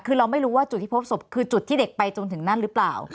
คือเราไม่รู้ว่าจุดที่พบศพคือจุดที่เด็กไปจนถึงนั่นหรือเปล่า